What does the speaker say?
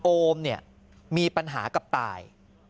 โอมเนี่ยมีปัญหากับตาย